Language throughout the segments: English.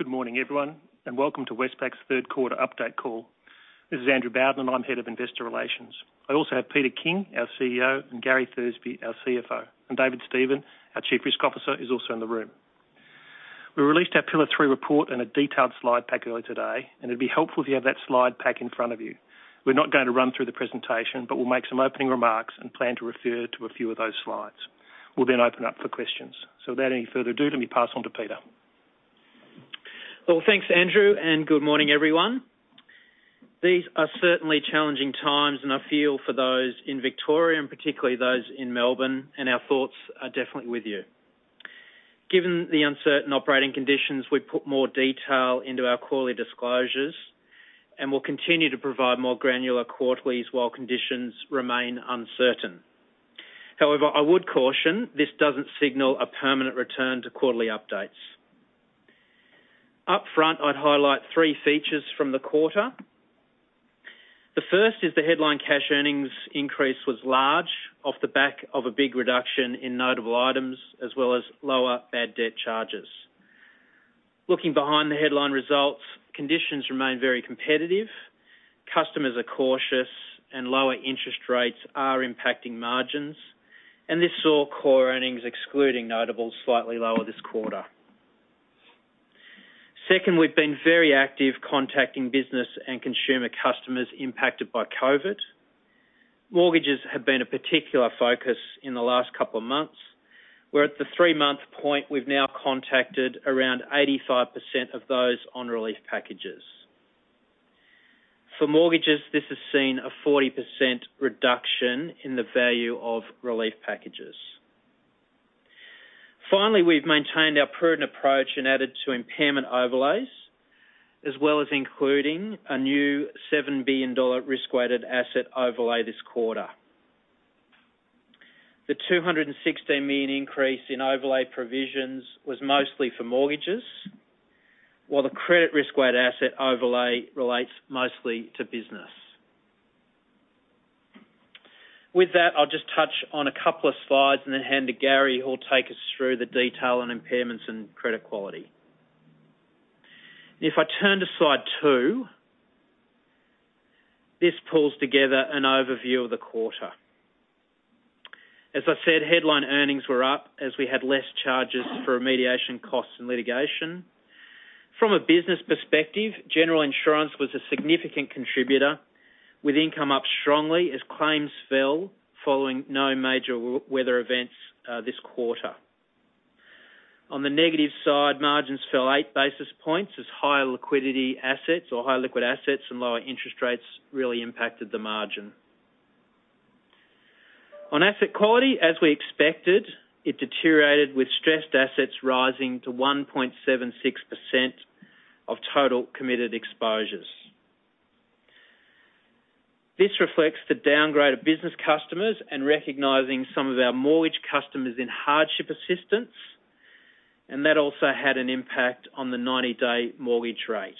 Good morning, everyone, and welcome to Westpac's third quarter update call. This is Andrew Bowden, and I'm head of investor relations. I also have Peter King, our CEO, and Gary Thursby, our CFO, and David Stephen, our Chief Risk Officer, is also in the room. We released our Pillar 3 Report and a detailed slide pack early today, and it'd be helpful if you have that slide pack in front of you. We're not going to run through the presentation, but we'll make some opening remarks and plan to refer to a few of those slides. We'll then open up for questions. So without any further ado, let me pass on to Peter. Thanks, Andrew, and good morning, everyone. These are certainly challenging times, and I feel for those in Victoria, and particularly those in Melbourne, and our thoughts are definitely with you. Given the uncertain operating conditions, we put more detail into our quarterly disclosures, and we'll continue to provide more granular quarterlies while conditions remain uncertain. However, I would caution, this doesn't signal a permanent return to quarterly updates. Up front, I'd highlight three features from the quarter. The first is the headline cash earnings increase was large off the back of a big reduction in notable items, as well as lower bad debt charges. Looking behind the headline results, conditions remain very competitive, customers are cautious, and lower interest rates are impacting margins, and this saw core earnings, excluding notables, slightly lower this quarter. Second, we've been very active contacting business and consumer customers impacted by COVID. Mortgages have been a particular focus in the last couple of months. We're at the three-month point. We've now contacted around 85% of those on relief packages. For mortgages, this has seen a 40% reduction in the value of relief packages. Finally, we've maintained our prudent approach and added to impairment overlays, as well as including a new 7 billion dollar risk-weighted asset overlay this quarter. The 216 million increase in overlay provisions was mostly for mortgages, while the credit risk-weighted asset overlay relates mostly to business. With that, I'll just touch on a couple of slides and then hand to Gary, who'll take us through the detail on impairments and credit quality. If I turn to slide two, this pulls together an overview of the quarter. As I said, headline earnings were up as we had less charges for remediation costs and litigation. From a business perspective, General Insurance was a significant contributor, with income up strongly as claims fell following no major weather events this quarter. On the negative side, margins fell eight basis points as higher liquidity assets, or higher liquid assets and lower interest rates, really impacted the margin. On asset quality, as we expected, it deteriorated with stressed assets rising to 1.76% of total committed exposures. This reflects the downgrade of business customers and recognizing some of our mortgage customers in hardship assistance, and that also had an impact on the 90-day mortgage rate.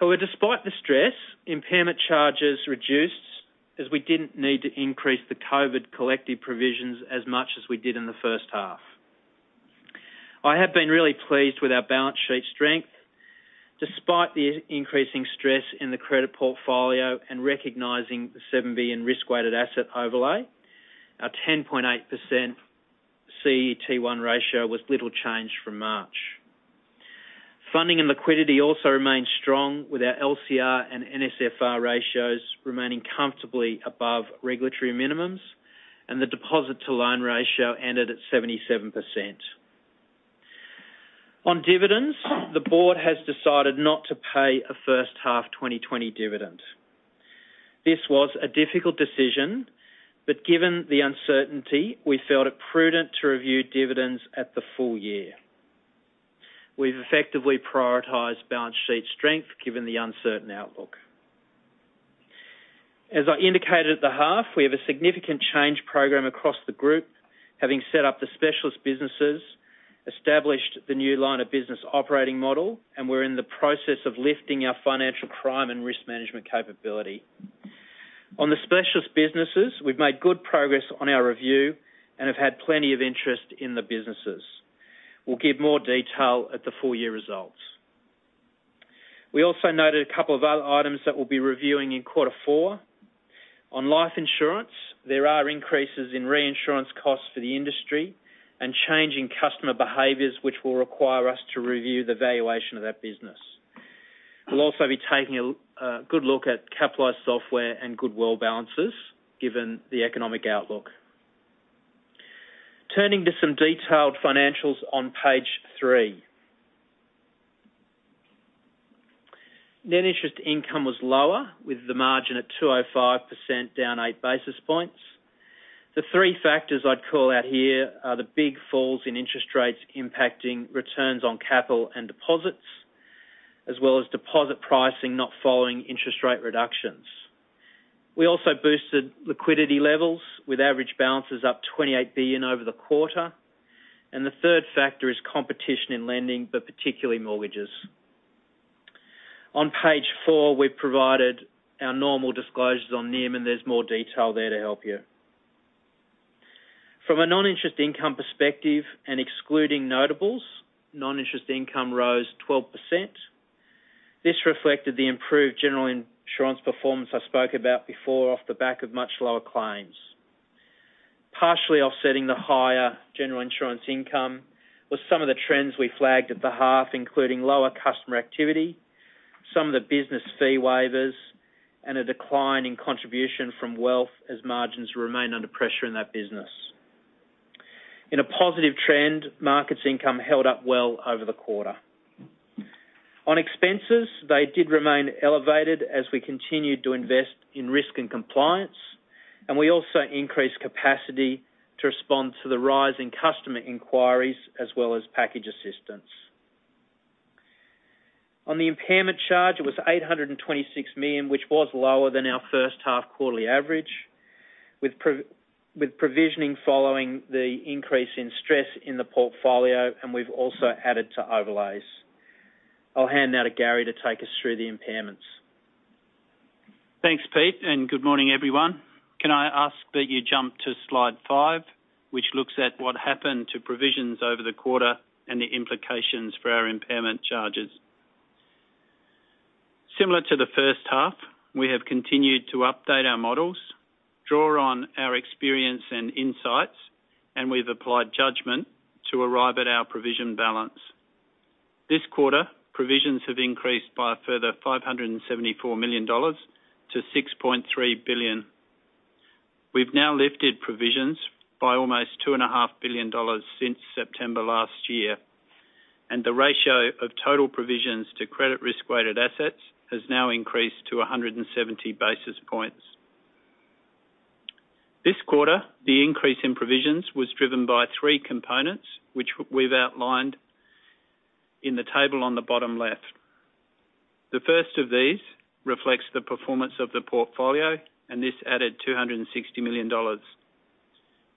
However, despite the stress, impairment charges reduced as we didn't need to increase the COVID collective provisions as much as we did in the first half. I have been really pleased with our balance sheet strength. Despite the increasing stress in the credit portfolio and recognizing the $7 billion risk-weighted asset overlay, our 10.8% CET1 ratio was little changed from March. Funding and liquidity also remained strong, with our LCR and NSFR ratios remaining comfortably above regulatory minimums, and the deposit-to-loan ratio ended at 77%. On dividends, the board has decided not to pay a first half 2020 dividend. This was a difficult decision, but given the uncertainty, we felt it prudent to review dividends at the full year. We've effectively prioritized balance sheet strength given the uncertain outlook. As I indicated at the half, we have a significant change program across the group, having set up the Specialist Businesses, established the new line of business operating model, and we're in the process of lifting our financial crime and risk management capability. On the Specialist Businesses, we've made good progress on our review and have had plenty of interest in the businesses. We'll give more detail at the full year results. We also noted a couple of other items that we'll be reviewing in quarter four. On Life Insurance, there are increases in reinsurance costs for the industry and changing customer behaviors, which will require us to review the valuation of that business. We'll also be taking a good look at capitalized software and goodwill balances given the economic outlook. Turning to some detailed financials on page three. Net interest income was lower, with the margin at 205%, down eight basis points. The three factors I'd call out here are the big falls in interest rates impacting returns on capital and deposits, as well as deposit pricing not following interest rate reductions. We also boosted liquidity levels, with average balances up 28 billion over the quarter. And the third factor is competition in lending, but particularly mortgages. On page four, we've provided our normal disclosures on NIM, and there's more detail there to help you. From a non-interest income perspective, and excluding notables, non-interest income rose 12%. This reflected the improved General Insurance performance I spoke about before off the back of much lower claims. Partially offsetting the higher General insurance income was some of the trends we flagged at the half, including lower customer activity, some of the business fee waivers, and a decline in contribution from Wealth as margins remain under pressure in that business. In a positive trend, markets income held up well over the quarter. On expenses, they did remain elevated as we continued to invest in risk and compliance, and we also increased capacity to respond to the rising customer inquiries as well as package assistance. On the impairment charge, it was 826 million, which was lower than our first half quarterly average, with provisioning following the increase in stress in the portfolio, and we've also added to overlays. I'll hand now to Gary to take us through the impairments. Thanks, Pete, and good morning, everyone. Can I ask that you jump to slide five, which looks at what happened to provisions over the quarter and the implications for our impairment charges? Similar to the first half, we have continued to update our models, draw on our experience and insights, and we've applied judgment to arrive at our provision balance. This quarter, provisions have increased by a further $574 million to $6.3 billion. We've now lifted provisions by almost $2.5 billion since September last year, and the ratio of total provisions to credit risk-weighted assets has now increased to 170 basis points. This quarter, the increase in provisions was driven by three components, which we've outlined in the table on the bottom left. The first of these reflects the performance of the portfolio, and this added $260 million.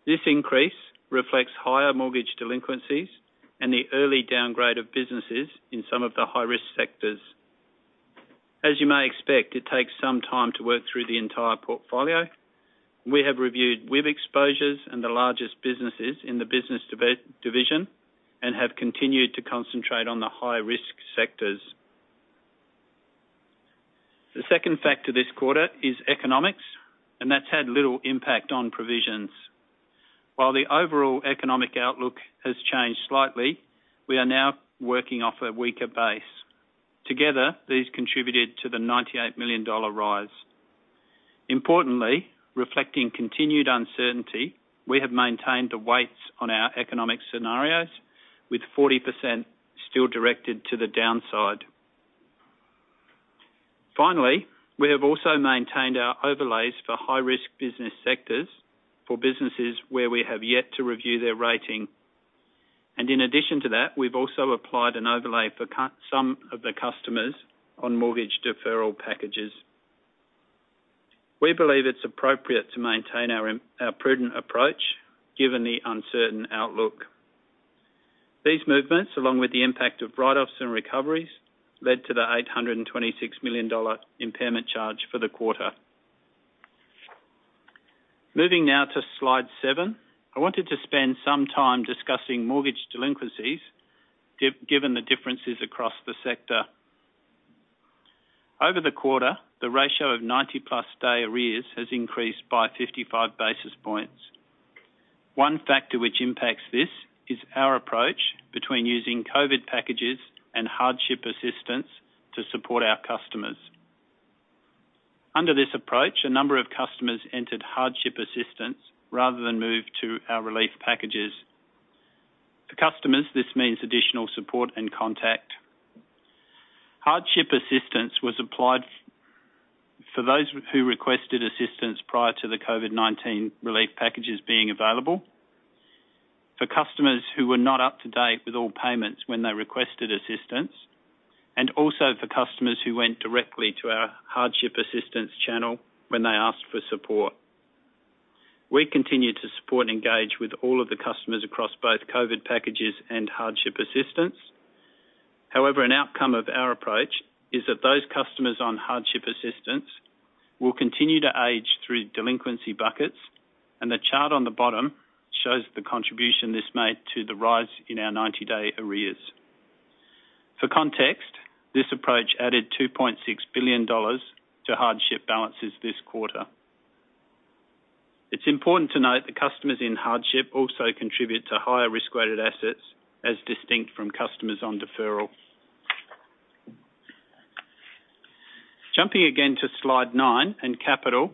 This increase reflects higher mortgage delinquencies and the early downgrade of businesses in some of the high-risk sectors. As you may expect, it takes some time to work through the entire portfolio. We have reviewed debt exposures and the largest businesses in the Business division and have continued to concentrate on the high-risk sectors. The second factor this quarter is economics, and that's had little impact on provisions. While the overall economic outlook has changed slightly, we are now working off a weaker base. Together, these contributed to the 98 million dollar rise. Importantly, reflecting continued uncertainty, we have maintained the weights on our economic scenarios, with 40% still directed to the downside. Finally, we have also maintained our overlays for high-risk business sectors for businesses where we have yet to review their rating. In addition to that, we've also applied an overlay for some of the customers on mortgage deferral packages. We believe it's appropriate to maintain our prudent approach given the uncertain outlook. These movements, along with the impact of write-offs and recoveries, led to the 826 million dollar impairment charge for the quarter. Moving now to slide seven, I wanted to spend some time discussing mortgage delinquencies given the differences across the sector. Over the quarter, the ratio of 90-plus day arrears has increased by 55 basis points. One factor which impacts this is our approach between using COVID packages and hardship assistance to support our customers. Under this approach, a number of customers entered hardship assistance rather than moved to our relief packages. For customers, this means additional support and contact. Hardship assistance was applied for those who requested assistance prior to the COVID-19 relief packages being available, for customers who were not up to date with all payments when they requested assistance, and also for customers who went directly to our hardship assistance channel when they asked for support. We continue to support and engage with all of the customers across both COVID packages and hardship assistance. However, an outcome of our approach is that those customers on hardship assistance will continue to age through delinquency buckets, and the chart on the bottom shows the contribution this made to the rise in our 90-day arrears. For context, this approach added 2.6 billion dollars to hardship balances this quarter. It's important to note that customers in hardship also contribute to higher risk-weighted assets as distinct from customers on deferral. Jumping again to slide nine and capital,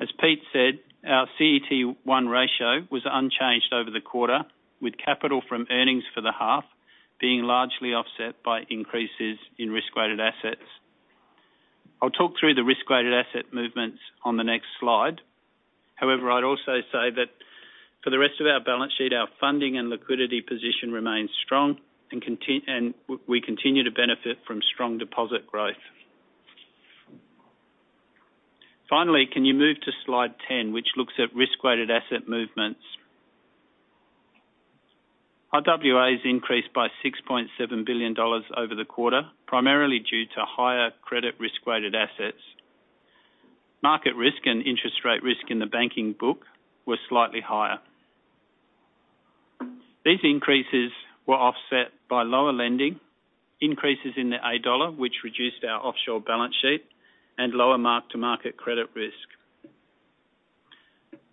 as Pete said, our CET1 ratio was unchanged over the quarter, with capital from earnings for the half being largely offset by increases in risk-weighted assets. I'll talk through the risk-weighted asset movements on the next slide. However, I'd also say that for the rest of our balance sheet, our funding and liquidity position remains strong, and we continue to benefit from strong deposit growth. Finally, can you move to slide ten, which looks at risk-weighted asset movements? RWAs increased by 6.7 billion dollars over the quarter, primarily due to higher credit risk-weighted assets. Market risk and interest rate risk in the banking book were slightly higher. These increases were offset by lower lending, increases in the LCRs, which reduced our offshore balance sheet, and lower mark-to-market credit risk.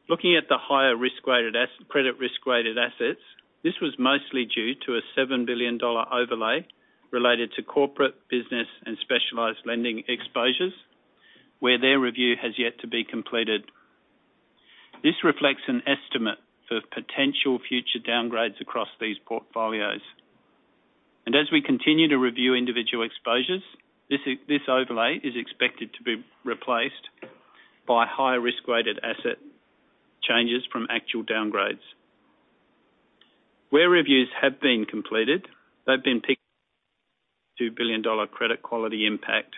Looking at the higher risk-weighted assets, this was mostly due to a $7 billion overlay related to corporate, business, and specialized lending exposures, where their review has yet to be completed. This reflects an estimate for potential future downgrades across these portfolios. As we continue to review individual exposures, this overlay is expected to be replaced by higher risk-weighted asset changes from actual downgrades. Where reviews have been completed, they've picked up $2 billion credit quality impact.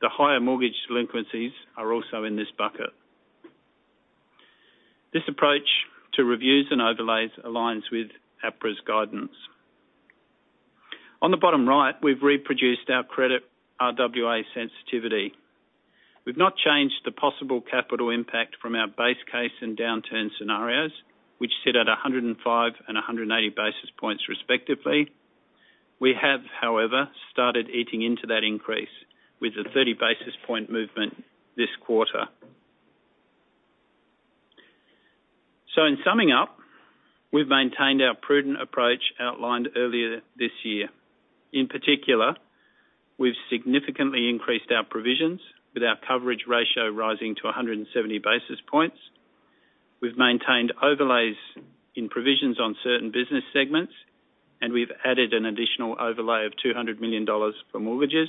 The higher mortgage delinquencies are also in this bucket. This approach to reviews and overlays aligns with APRA's guidance. On the bottom right, we've reproduced our credit RWA sensitivity. We've not changed the possible capital impact from our base case and downturn scenarios, which sit at 105 and 180 basis points respectively. We have, however, started eating into that increase with a 30-basis-point movement this quarter. In summing up, we've maintained our prudent approach outlined earlier this year. In particular, we've significantly increased our provisions with our coverage ratio rising to 170 basis points. We've maintained overlays in provisions on certain business segments, and we've added an additional overlay of $200 million for mortgages.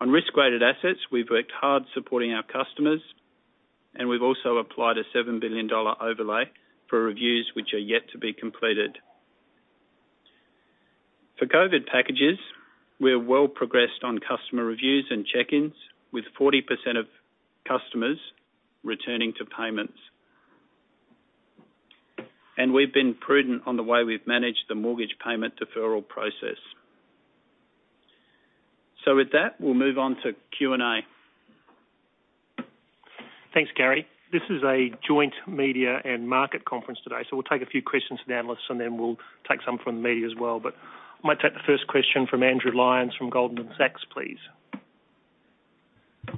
On risk-weighted assets, we've worked hard supporting our customers, and we've also applied a $7 billion overlay for reviews which are yet to be completed. For COVID packages, we're well progressed on customer reviews and check-ins, with 40% of customers returning to payments. And we've been prudent on the way we've managed the mortgage payment deferral process. With that, we'll move on to Q&A. Thanks, Gary. This is a joint media and market conference today, so we'll take a few questions from the analysts, and then we'll take some from the media as well. But I might take the first question from Andrew Lyons from Goldman Sachs, please.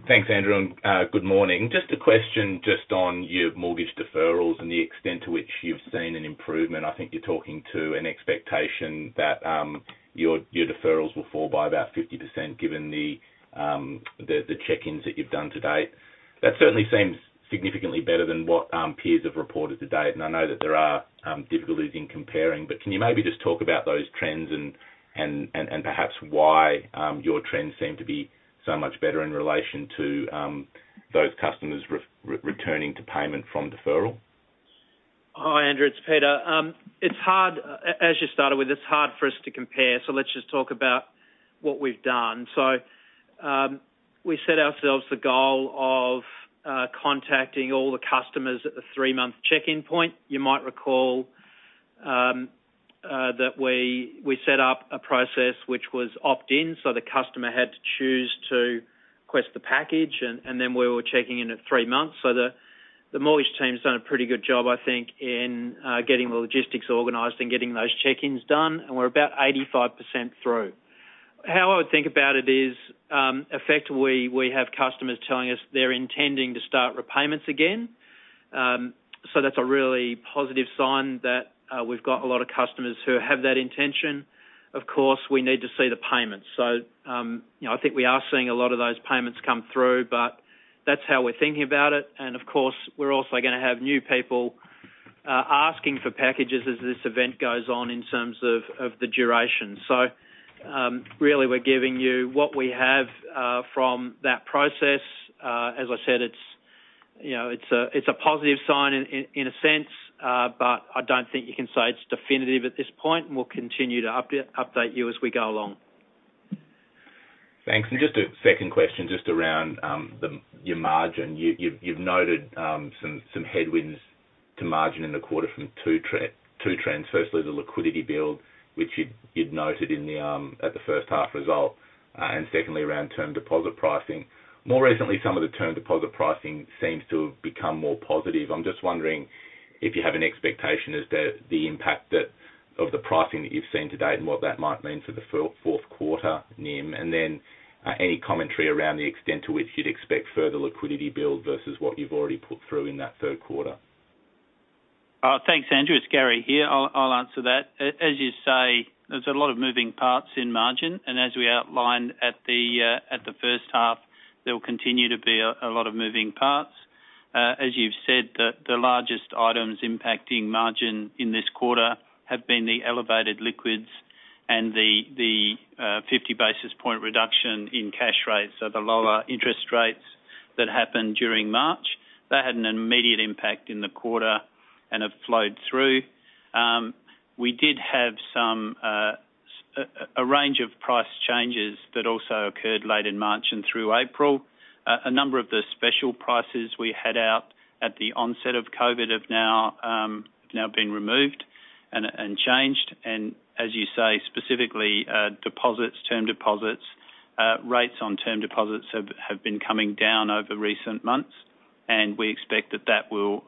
Thanks, Andrew, and good morning. Just a question just on your mortgage deferrals and the extent to which you've seen an improvement. I think you're talking to an expectation that your deferrals will fall by about 50% given the check-ins that you've done to date. That certainly seems significantly better than what peers have reported to date. And I know that there are difficulties in comparing, but can you maybe just talk about those trends and perhaps why your trends seem to be so much better in relation to those customers returning to payment from deferral? Hi, Andrew. It's Peter. As you started with, it's hard for us to compare, so let's just talk about what we've done. So, we set ourselves the goal of contacting all the customers at the three-month check-in point. You might recall that we set up a process which was opt-in, so the customer had to choose to request the package, and then we were checking in at three months. So, the mortgage team's done a pretty good job, I think, in getting the logistics organized and getting those check-ins done, and we're about 85% through. How I would think about it is, effectively, we have customers telling us they're intending to start repayments again. So, that's a really positive sign that we've got a lot of customers who have that intention. Of course, we need to see the payments. So, I think we are seeing a lot of those payments come through, but that's how we're thinking about it. And, of course, we're also going to have new people asking for packages as this event goes on in terms of the duration. So, really, we're giving you what we have from that process. As I said, it's a positive sign in a sense, but I don't think you can say it's definitive at this point, and we'll continue to update you as we go along. Thanks. And just a second question just around your margin. You've noted some headwinds to margin in the quarter from two trends. Firstly, the liquidity build, which you'd noted at the first half result, and secondly, around term deposit pricing. More recently, some of the term deposit pricing seems to have become more positive. I'm just wondering if you have an expectation as to the impact of the pricing that you've seen to date and what that might mean for the fourth quarter, NIM? And then any commentary around the extent to which you'd expect further liquidity build versus what you've already put through in that third quarter? Thanks, Andrew. It's Gary here. I'll answer that. As you say, there's a lot of moving parts in margin, and as we outlined at the first half, there will continue to be a lot of moving parts. As you've said, the largest items impacting margin in this quarter have been the elevated liquidity and the 50 basis point reduction in cash rates, so the lower interest rates that happened during March. That had an immediate impact in the quarter and have flowed through. We did have a range of price changes that also occurred late in March and through April. A number of the special prices we had out at the onset of COVID have now been removed and changed. And as you say, specifically, term deposits, rates on term deposits have been coming down over recent months, and we expect that that will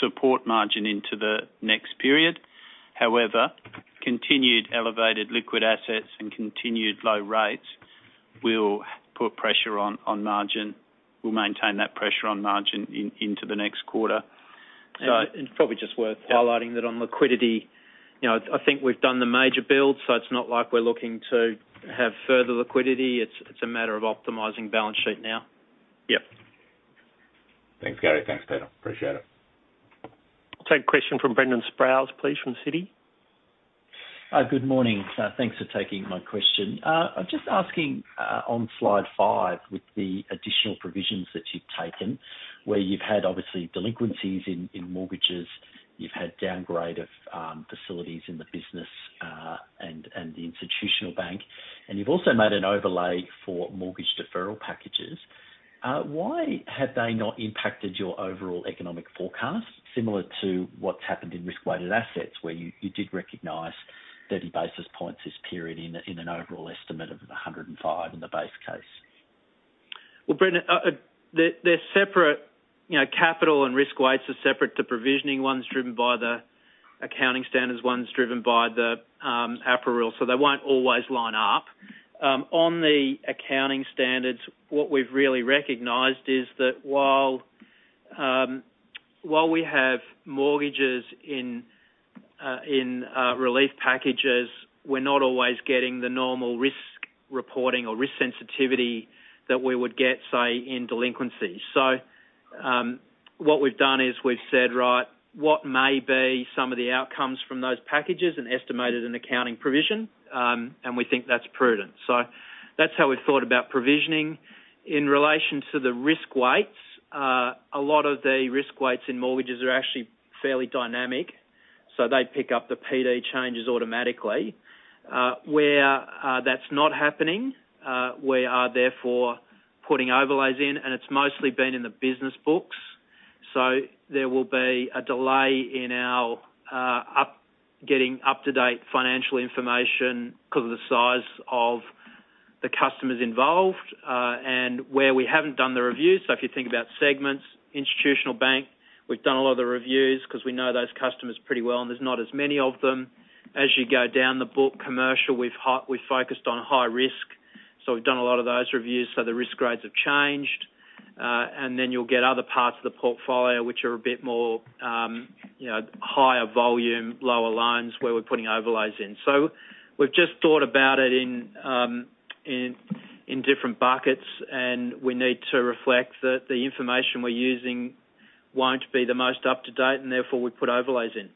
support margin into the next period. However, continued elevated liquid assets and continued low rates will put pressure on margin. We'll maintain that pressure on margin into the next quarter. Probably just worth highlighting that on liquidity, I think we've done the major build, so it's not like we're looking to have further liquidity. It's a matter of optimizing balance sheet now. Yep. Thanks, Gary. Thanks, Peter. Appreciate it. I'll take a question from Brendan Sproules, please, from Citi. Good morning. Thanks for taking my question. I'm just asking on slide five with the additional provisions that you've taken, where you've had, obviously, delinquencies in mortgages, you've had downgrade of facilities in the business and the Institutional Bank, and you've also made an overlay for mortgage deferral packages. Why have they not impacted your overall economic forecast, similar to what's happened in risk-weighted assets, where you did recognize 30 basis points this period in an overall estimate of 105 in the base case? Brendan, they're separate. Capital and risk weights are separate to provisioning ones driven by the accounting standards, ones driven by the APRA rule, so they won't always line up. On the accounting standards, what we've really recognized is that while we have mortgages in relief packages, we're not always getting the normal risk reporting or risk sensitivity that we would get, say, in delinquencies. So, what we've done is we've said, "Right, what may be some of the outcomes from those packages and estimated in accounting provision?" And we think that's prudent. So, that's how we've thought about provisioning. In relation to the risk weights, a lot of the risk weights in mortgages are actually fairly dynamic, so they pick up the PD changes automatically. Where that's not happening, we are therefore putting overlays in, and it's mostly been in the business books. So, there will be a delay in our getting up-to-date financial information because of the size of the customers involved and where we haven't done the review. So, if you think about segments, institutional bank, we've done a lot of the reviews because we know those customers pretty well, and there's not as many of them. As you go down the business, commercial, we've focused on high risk, so we've done a lot of those reviews, so the risk grades have changed. And then you'll get other parts of the portfolio which are a bit more higher volume, lower loans, where we're putting overlays in. So, we've just thought about it in different buckets, and we need to reflect that the information we're using won't be the most up-to-date, and therefore we put overlays in.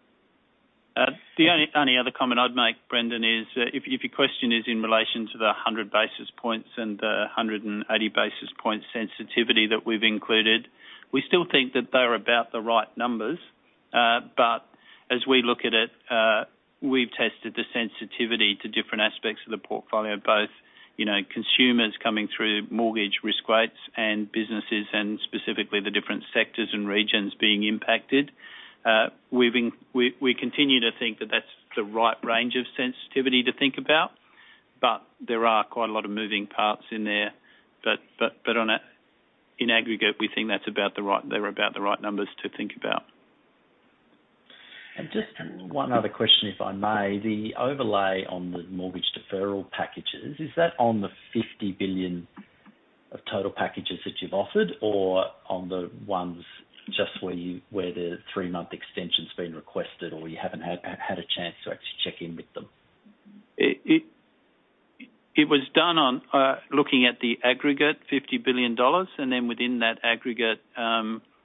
The only other comment I'd make, Brendan, is if your question is in relation to the 100 basis points and the 180 basis points sensitivity that we've included, we still think that they are about the right numbers. But as we look at it, we've tested the sensitivity to different aspects of the portfolio, both consumers coming through mortgage risk weights and businesses and specifically the different sectors and regions being impacted. We continue to think that that's the right range of sensitivity to think about, but there are quite a lot of moving parts in there. But in aggregate, we think they're about the right numbers to think about. Just one other question, if I may. The overlay on the mortgage deferral packages, is that on the 50 billion of total packages that you've offered, or on the ones just where the three-month extension's been requested, or you haven't had a chance to actually check in with them? It was done on looking at the aggregate, 50 billion dollars, and then within that aggregate,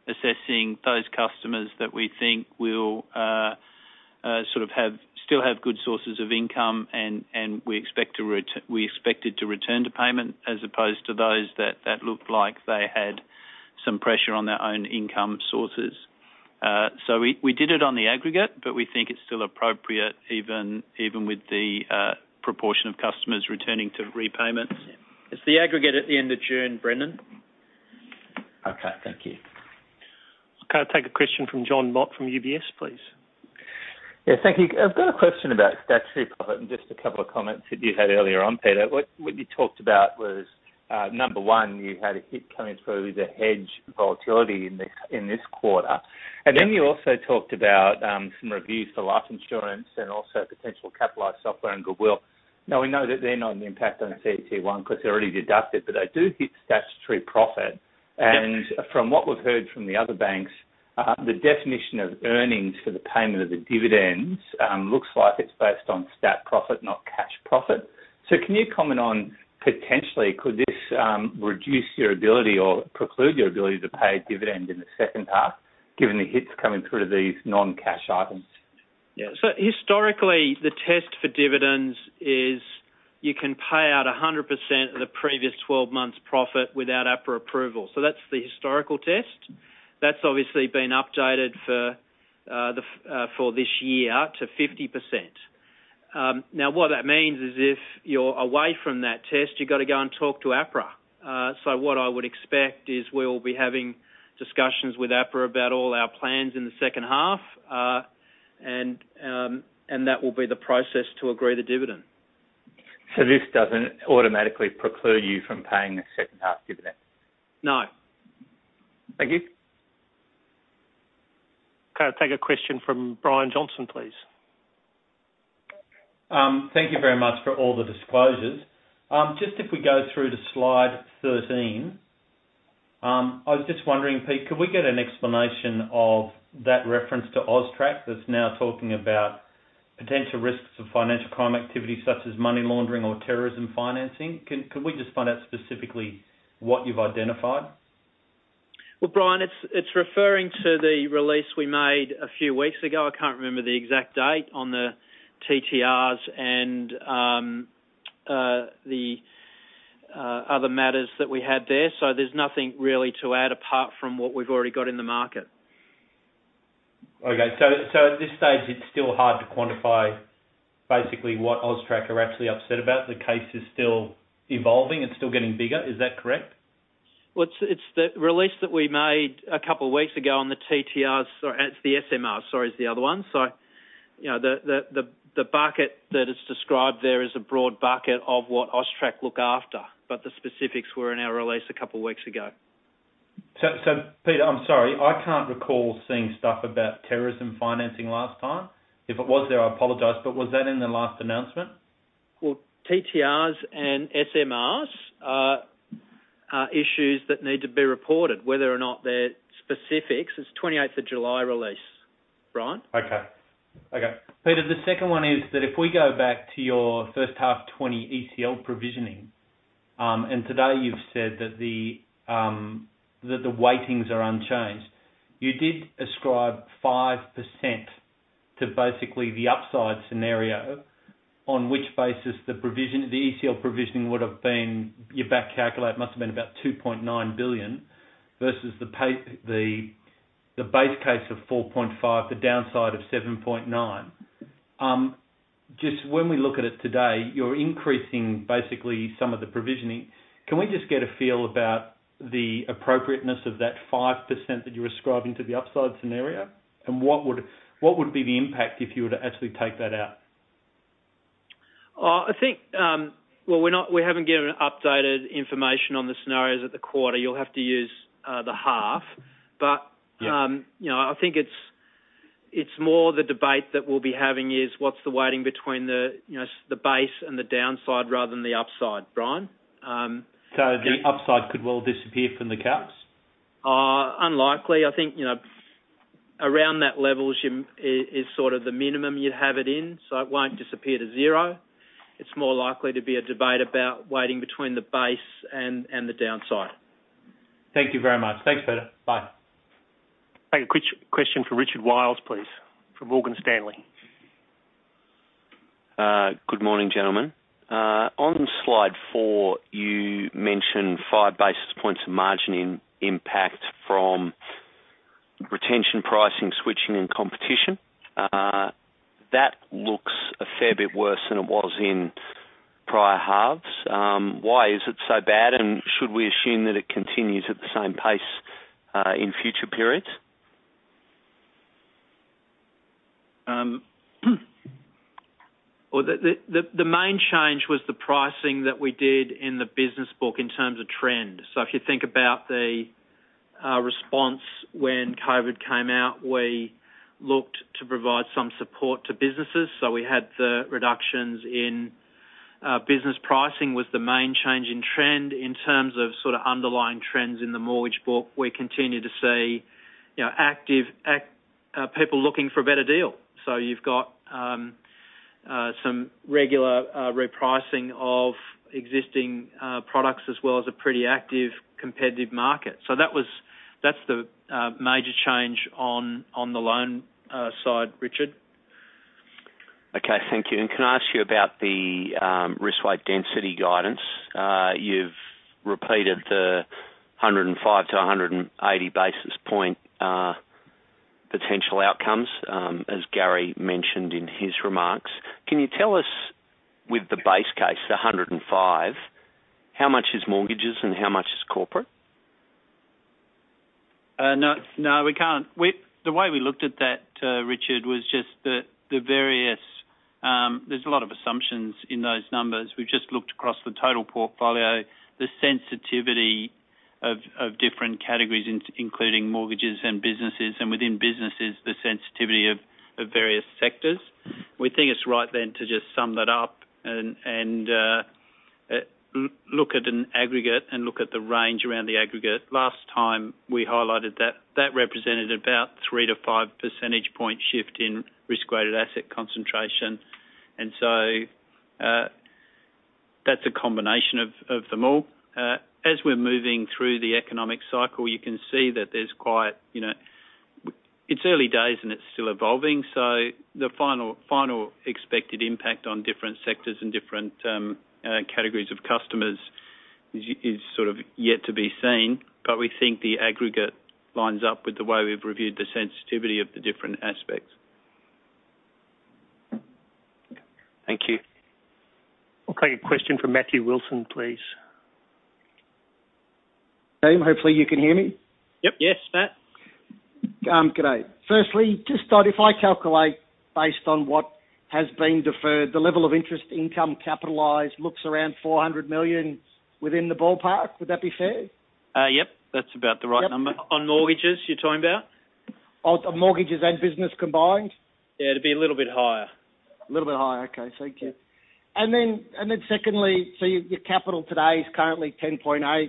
assessing those customers that we think will sort of still have good sources of income, and we expected to return to payment as opposed to those that looked like they had some pressure on their own income sources. So, we did it on the aggregate, but we think it's still appropriate even with the proportion of customers returning to repayments. It's the aggregate at the end of June, Brendan. Okay. Thank you. I'll take a question from John Mott from UBS, please. Yeah. Thank you. I've got a question about statutory profit and just a couple of comments that you had earlier on, Peter. What you talked about was, number one, you had a hit coming through with the hedge volatility in this quarter. And then you also talked about some reviews for life insurance and also potential capitalized software and goodwill. Now, we know that they're not impacted on CT1 because they're already deducted, but they do hit statutory profit. And from what we've heard from the other banks, the definition of earnings for the payment of the dividends looks like it's based on stat profit, not cash profit. So, can you comment on potentially could this reduce your ability or preclude your ability to pay a dividend in the second half, given the hits coming through to these non-cash items? Yeah. So, historically, the test for dividends is you can pay out 100% of the previous 12 months' profit without APRA approval. So, that's the historical test. That's obviously been updated for this year to 50%. Now, what that means is if you're away from that test, you've got to go and talk to APRA. So, what I would expect is we'll be having discussions with APRA about all our plans in the second half, and that will be the process to agree the dividend. So, this doesn't automatically preclude you from paying the second half dividend? No. Thank you. Okay. Take a question from Brian Johnson, please. Thank you very much for all the disclosures. Just if we go through to slide 13, I was just wondering, Pete, could we get an explanation of that reference to AUSTRAC that's now talking about potential risks of financial crime activity such as money laundering or terrorism financing? Could we just find out specifically what you've identified? Well, Brian, it's referring to the release we made a few weeks ago. I can't remember the exact date on the TTRs and the other matters that we had there. So, there's nothing really to add apart from what we've already got in the market. Okay. So, at this stage, it's still hard to quantify basically what AUSTRAC are actually upset about. The case is still evolving. It's still getting bigger. Is that correct? It's the release that we made a couple of weeks ago on the TTRs, sorry, it's the SMRs, sorry, is the other one. The bucket that is described there is a broad bucket of what AUSTRAC look after, but the specifics were in our release a couple of weeks ago. So, Peter, I'm sorry. I can't recall seeing stuff about terrorism financing last time. If it was there, I apologize, but was that in the last announcement? TTRs and SMRs are issues that need to be reported, whether or not they're specifics. It's 28th of July release, right? Okay. Okay. Peter, the second one is that if we go back to your first half 2020 ECL provisioning, and today you've said that the weightings are unchanged, you did ascribe 5% to basically the upside scenario on which basis the ECL provisioning would have been, you back-calculate, must have been about 2.9 billion versus the base case of 4.5 billion, the downside of 7.9 billion. Just when we look at it today, you're increasing basically some of the provisioning. Can we just get a feel about the appropriateness of that 5% that you're ascribing to the upside scenario, and what would be the impact if you were to actually take that out? We haven't given updated information on the scenarios at the quarter. You'll have to use the half. But I think it's more the debate that we'll be having is what's the weighting between the base and the downside rather than the upside, Brian? The upside could well disappear from the caps? Unlikely. I think around that level is sort of the minimum you'd have it in, so it won't disappear to zero. It's more likely to be a debate about weighting between the base and the downside. Thank you very much. Thanks, Peter. Bye. Take a quick question from Richard Wiles, please, from Morgan Stanley. Good morning, gentlemen. On slide four, you mentioned five basis points of margin impact from retention pricing, switching, and competition. That looks a fair bit worse than it was in prior halves. Why is it so bad, and should we assume that it continues at the same pace in future periods? The main change was the pricing that we did in the business book in terms of trend. If you think about the response when COVID came out, we looked to provide some support to businesses. We had the reductions in business pricing was the main change in trend. In terms of sort of underlying trends in the mortgage book, we continue to see active people looking for a better deal. You've got some regular repricing of existing products as well as a pretty active competitive market. That's the major change on the loan side, Richard. Okay. Thank you. And can I ask you about the risk weight density guidance? You've repeated the 105-180 basis points potential outcomes, as Gary mentioned in his remarks. Can you tell us with the base case, the 105, how much is mortgages and how much is corporate? No. No, we can't. The way we looked at that, Richard, was just the various. There's a lot of assumptions in those numbers. We've just looked across the total portfolio, the sensitivity of different categories, including mortgages and businesses, and within businesses, the sensitivity of various sectors. We think it's right then to just sum that up and look at an aggregate and look at the range around the aggregate. Last time, we highlighted that that represented about 3-5 percentage point shift in risk-weighted asset concentration, and so that's a combination of them all. As we're moving through the economic cycle, you can see that there's quite. It's early days, and it's still evolving. So, the final expected impact on different sectors and different categories of customers is sort of yet to be seen, but we think the aggregate lines up with the way we've reviewed the sensitivity of the different aspects. Okay. Thank you. We'll take a question from Matthew Wilson, please Tim, hopefully you can hear me. Yep. Yes, Matt. Great. Firstly, just start if I calculate based on what has been deferred, the level of interest income capitalized looks around 400 million within the ballpark. Would that be fair? Yep. That's about the right number. On mortgages, you're talking about? On mortgages and business combined? Yeah. It'd be a little bit higher. A little bit higher. Okay. Thank you. And then secondly, so your capital today is currently 10.8.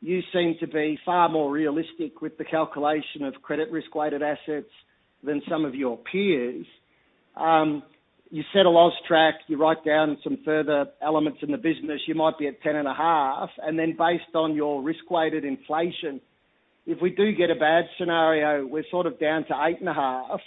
You seem to be far more realistic with the calculation of credit risk-weighted assets than some of your peers. You set a loss track. You write down some further elements in the business. You might be at 10.5. And then based on your risk-weighted assets inflation, if we do get a bad scenario, we're sort of down to 8.5.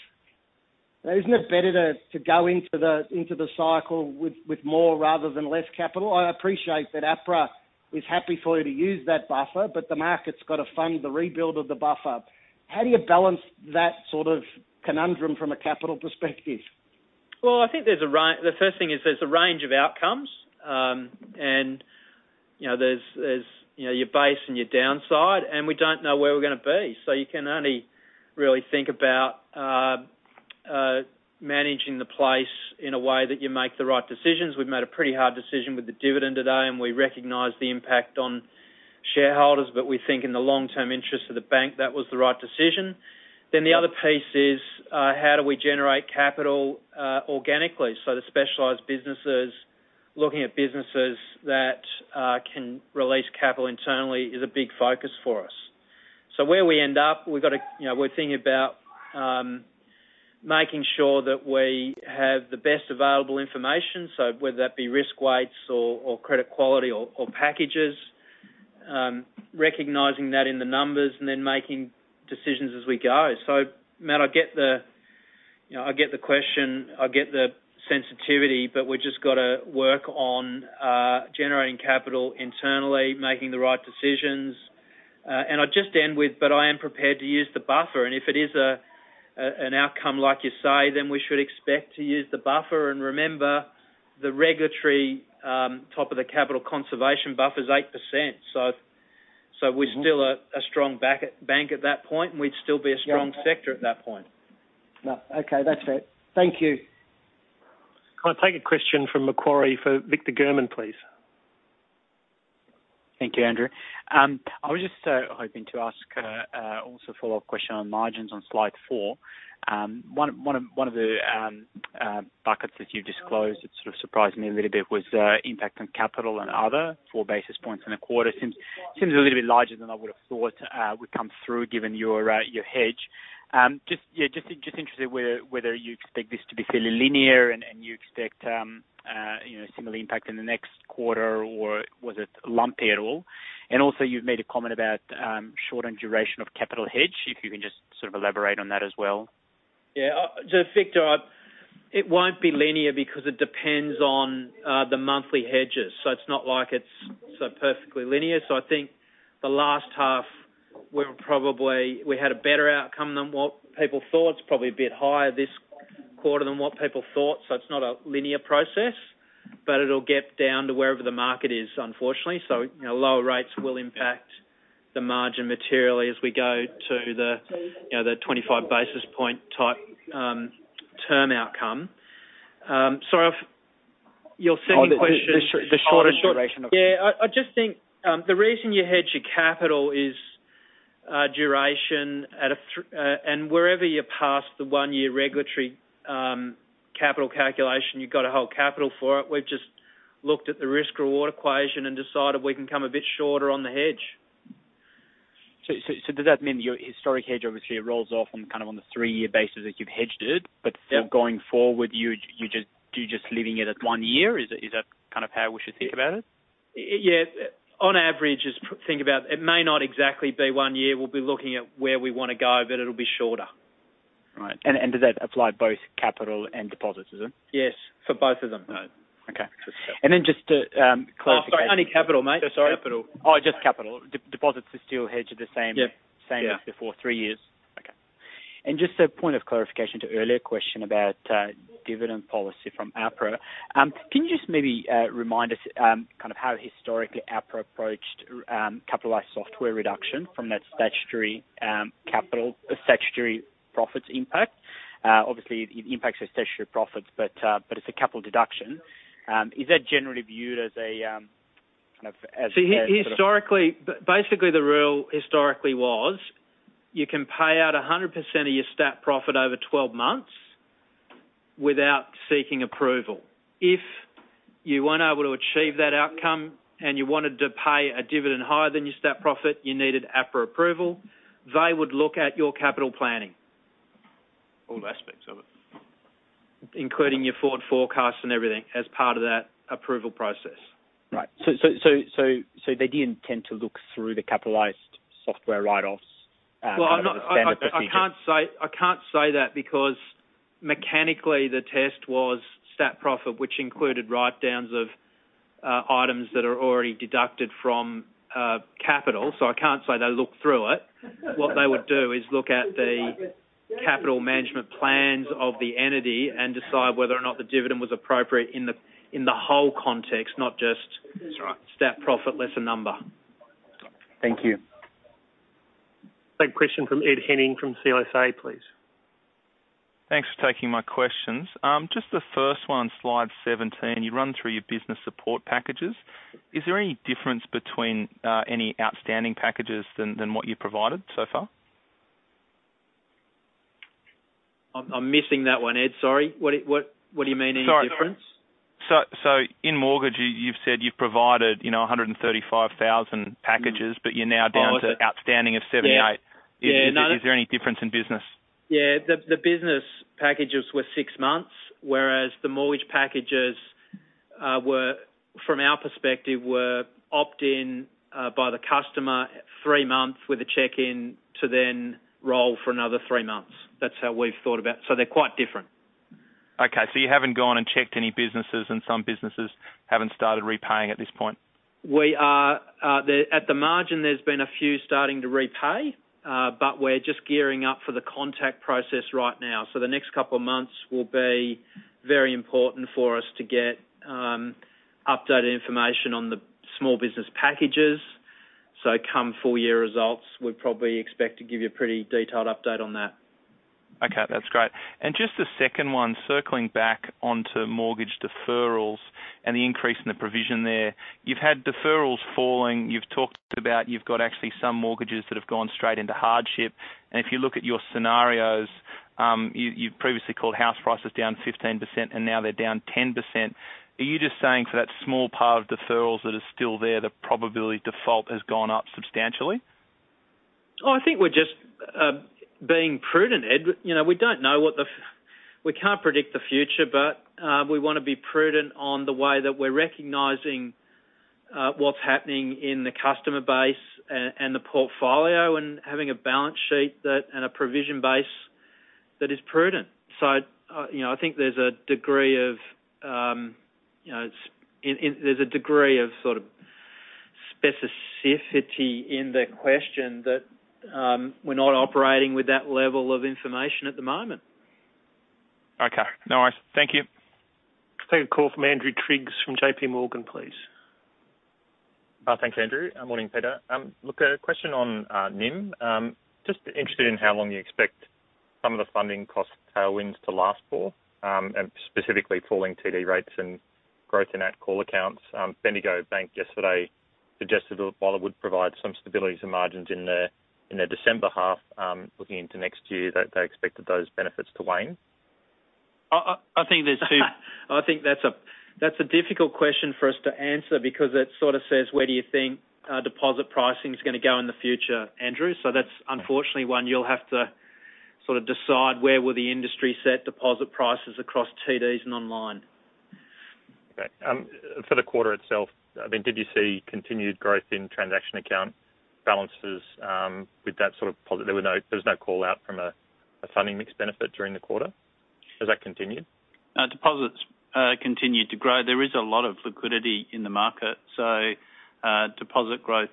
Isn't it better to go into the cycle with more rather than less capital? I appreciate that APRA is happy for you to use that buffer, but the market's got to fund the rebuild of the buffer. How do you balance that sort of conundrum from a capital perspective? I think the first thing is there's a range of outcomes, and there's your base and your downside, and we don't know where we're going to be. You can only really think about managing the place in a way that you make the right decisions. We've made a pretty hard decision with the dividend today, and we recognize the impact on shareholders, but we think in the long-term interest of the bank, that was the right decision. The other piece is how do we generate capital organically. The specialized businesses, looking at businesses that can release capital internally, is a big focus for us. Where we end up, we've got to. We're thinking about making sure that we have the best available information. So, whether that be risk weights or credit quality or packages, recognizing that in the numbers and then making decisions as we go. So, Matt, I get the—I get the question. I get the sensitivity, but we've just got to work on generating capital internally, making the right decisions. And I'll just end with, but I am prepared to use the buffer. And if it is an outcome like you say, then we should expect to use the buffer. And remember, the regulatory top of the capital conservation buffer's 8%. So, we're still a strong bank at that point, and we'd still be a strong sector at that point. No. Okay. That's it. Thank you. Can I take a question from Macquarie for Victor German, please? Thank you, Andrew. I was just hoping to ask also a follow-up question on margins on slide four. One of the buckets that you disclosed that sort of surprised me a little bit was impact on capital and other four basis points in the quarter. Seems a little bit larger than I would have thought would come through given your hedge. Just interested whether you expect this to be fairly linear and you expect a similar impact in the next quarter, or was it lumpy at all? And also, you've made a comment about shortened duration of capital hedge. If you can just sort of elaborate on that as well. Yeah. So, Victor, it won't be linear because it depends on the monthly hedges. So, it's not like it's so perfectly linear. So, I think the last half, we had a better outcome than what people thought. It's probably a bit higher this quarter than what people thought. So, it's not a linear process, but it'll get down to wherever the market is, unfortunately. So, lower rates will impact the margin materially as we go to the 25 basis point type term outcome. So, you'll send me questions. On the shorter duration of. Yeah. I just think the reason you hedge your capital is duration at a—and wherever you're past the one-year regulatory capital calculation, you've got to hold capital for it. We've just looked at the risk-reward equation and decided we can come a bit shorter on the hedge. Does that mean your historic hedge obviously rolls off kind of on the three-year basis that you've hedged it, but going forward, you're just leaving it at one year? Is that kind of how we should think about it? Yeah. On average, it's, think about it, may not exactly be one year. We'll be looking at where we want to go, but it'll be shorter. Right. And does that apply both capital and deposits, is it? Yes. For both of them. Okay, and then just to clarify. I'm sorry. Only capital, mate. Capital. Oh, just capital. Deposits are still hedged at the same as before three years. Yep. Okay. And just a point of clarification to earlier question about dividend policy from APRA. Can you just maybe remind us kind of how historically APRA approached capitalized software reduction from that statutory profits impact? Obviously, it impacts your statutory profits, but it's a capital deduction. Is that generally viewed as a kind of? Basically, the rule historically was you can pay out 100% of your stat profit over 12 months without seeking approval. If you weren't able to achieve that outcome and you wanted to pay a dividend higher than your stat profit, you needed APRA approval. They would look at your capital planning. All aspects of it. Including your forward forecasts and everything as part of that approval process. Right, so they didn't tend to look through the capitalized software write-offs as standard procedure? Well, I can't say that because mechanically, the test was stat profit, which included write-downs of items that are already deducted from capital. So, I can't say they look through it. What they would do is look at the capital management plans of the entity and decide whether or not the dividend was appropriate in the whole context, not just stat profit less a number. Thank you. Take a question from Ed Henning from CLSA, please. Thanks for taking my questions. Just the first one on slide 17, you run through your business support packages. Is there any difference between any outstanding packages than what you provided so far? I'm missing that one, Ed. Sorry. What do you mean in difference? In mortgage, you've said you've provided 135,000 packages, but you're now down to outstanding of 78. Is there any difference in business? Yeah. The business packages were six months, whereas the mortgage packages, from our perspective, were opt-in by the customer three months with a check-in to then roll for another three months. That's how we've thought about it. So, they're quite different. Okay. So, you haven't gone and checked any businesses, and some businesses haven't started repaying at this point? At the margin, there's been a few starting to repay, but we're just gearing up for the contact process right now. So, the next couple of months will be very important for us to get updated information on the small business packages. So, come full-year results, we probably expect to give you a pretty detailed update on that. Okay. That's great. And just the second one, circling back onto mortgage deferrals and the increase in the provision there. You've had deferrals falling. You've talked about you've got actually some mortgages that have gone straight into hardship. And if you look at your scenarios, you've previously called house prices down 15%, and now they're down 10%. Are you just saying for that small part of deferrals that is still there, the probability of default has gone up substantially? Oh, I think we're just being prudent, Ed. We don't know what the - we can't predict the future, but we want to be prudent on the way that we're recognising what's happening in the customer base and the portfolio and having a balance sheet and a provision base that is prudent. So, I think there's a degree of - there's a degree of sort of specificity in the question that we're not operating with that level of information at the moment. Okay. No worries. Thank you. Take a call from Andrew Triggs from J.P. Morgan, please. Thanks, Andrew. Morning, Peter. Look, a question on NIM. Just interested in how long you expect some of the funding cost tailwinds to last for, and specifically falling TD rates and growth in at-call accounts. Bendigo Bank yesterday suggested that while it would provide some stability to margins in their December half, looking into next year, they expected those benefits to wane. I think that's a difficult question for us to answer because it sort of says, "Where do you think deposit pricing is going to go in the future, Andrew?" So, that's unfortunately one you'll have to sort of decide where will the industry set deposit prices across TDs and online. Okay. For the quarter itself, I mean, did you see continued growth in transaction account balances with that sort of, there was no call out from a funding mix benefit during the quarter. Has that continued? Deposits continued to grow. There is a lot of liquidity in the market. So, deposit growth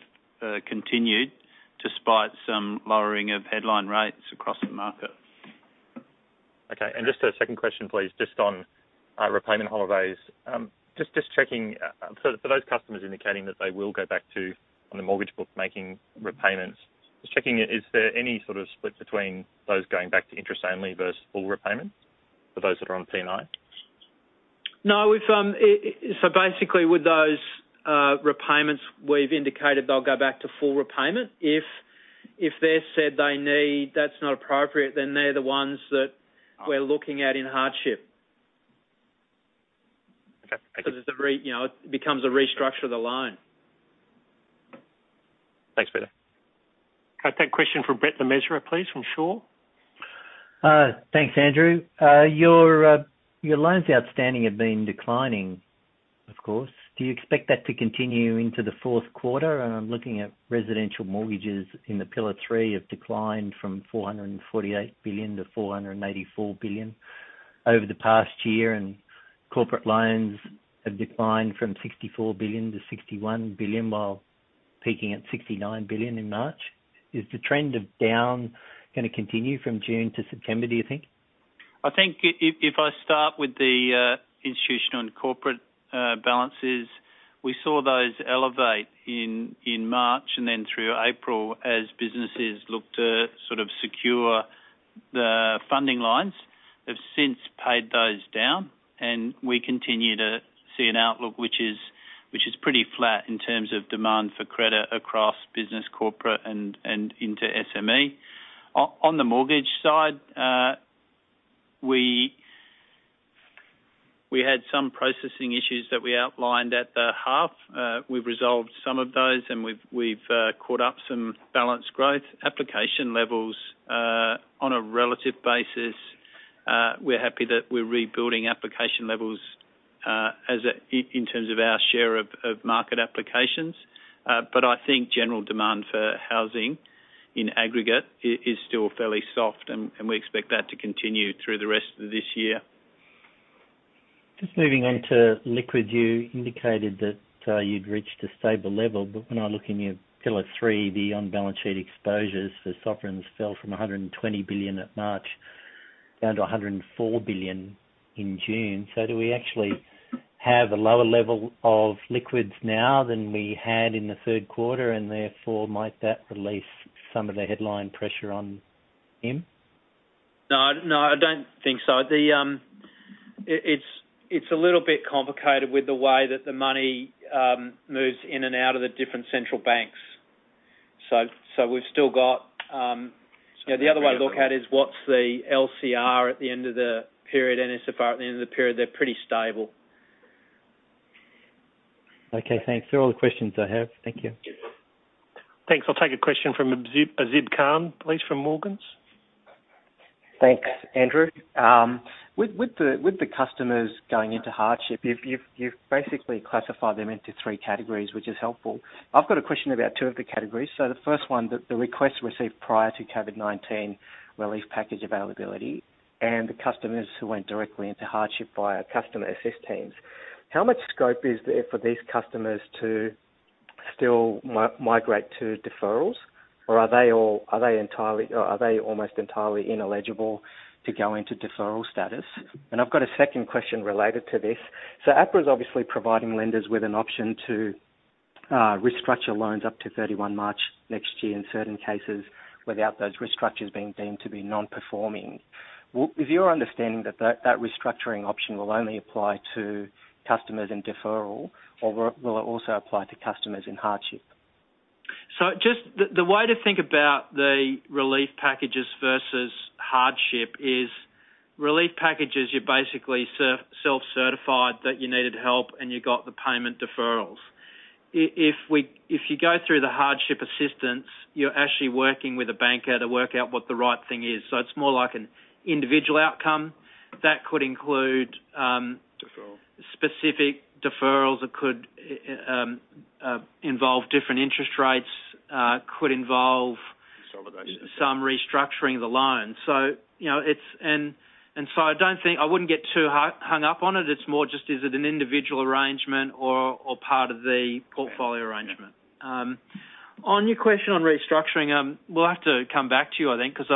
continued despite some lowering of headline rates across the market. Okay. And just a second question, please, just on repayment holidays. Just checking for those customers indicating that they will go back to, on the mortgage book, making repayments, just checking, is there any sort of split between those going back to interest only versus full repayment for those that are on P&I? No, so basically, with those repayments, we've indicated they'll go back to full repayment. If they said they need—that's not appropriate, then they're the ones that we're looking at in hardship. Okay. Thank you. Because it becomes a restructure of the loan. Thanks, Peter. Take a question from Brett Le Mesurier, please, from Shaw. Thanks, Andrew. Your loans outstanding have been declining, of course. Do you expect that to continue into the fourth quarter? I'm looking at residential mortgages in the Pillar 3 have declined from $448 billion to $484 billion over the past year, and corporate loans have declined from $64 billion to $61 billion while peaking at $69 billion in March. Is the trend of down going to continue from June to September, do you think? I think if I start with the institutional and corporate balances, we saw those elevate in March and then through April as businesses looked to sort of secure the funding lines. They've since paid those down, and we continue to see an outlook which is pretty flat in terms of demand for credit across business, corporate, and into SME. On the mortgage side, we had some processing issues that we outlined at the half. We've resolved some of those, and we've caught up some balance growth. Application levels on a relative basis. We're happy that we're rebuilding application levels in terms of our share of market applications. But I think general demand for housing in aggregate is still fairly soft, and we expect that to continue through the rest of this year. Just moving on to liquids, you indicated that you'd reached a stable level, but when I look in your Pillar 3, the off-balance sheet exposures for sovereigns fell from 120 billion at March down to 104 billion in June. So, do we actually have a lower level of liquids now than we had in the third quarter, and therefore might that release some of the headline pressure on NIM? No. No, I don't think so. It's a little bit complicated with the way that the money moves in and out of the different central banks. So, we've still got the other way to look at it is what's the LCR at the end of the period, NSFR at the end of the period. They're pretty stable. Okay. Thanks. Those are all the questions I have. Thank you. Thanks. I'll take a question from Azib Khan, please, from Morgans. Thanks, Andrew. With the customers going into hardship, you've basically classified them into three categories, which is helpful. I've got a question about two of the categories. So, the first one, the requests received prior to COVID-19 relief package availability and the customers who went directly into hardship via Customer Assist teams. How much scope is there for these customers to still migrate to deferrals, or are they entirely or are they almost entirely ineligible to go into deferral status? And I've got a second question related to this. So, APRA is obviously providing lenders with an option to restructure loans up to 31 March next year in certain cases without those restructures being deemed to be non-performing. Is your understanding that that restructuring option will only apply to customers in deferral, or will it also apply to customers in hardship? So, just the way to think about the relief packages versus hardship is relief packages. You're basically self-certified that you needed help, and you got the payment deferrals. If you go through the hardship assistance, you're actually working with a banker to work out what the right thing is. So, it's more like an individual outcome. That could include specific deferrals. It could involve different interest rates. It could involve some restructuring of the loan. So, and so I don't think I wouldn't get too hung up on it. It's more just, is it an individual arrangement or part of the portfolio arrangement? On your question on restructuring, we'll have to come back to you, I think, because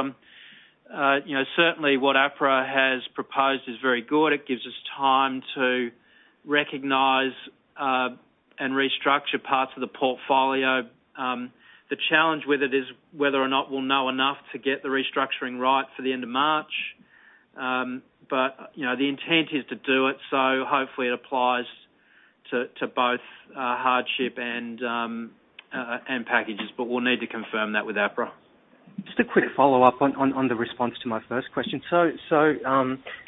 certainly what APRA has proposed is very good. It gives us time to recognize and restructure parts of the portfolio. The challenge with it is whether or not we'll know enough to get the restructuring right for the end of March. But the intent is to do it, so hopefully it applies to both hardship and packages, but we'll need to confirm that with APRA. Just a quick follow-up on the response to my first question. So,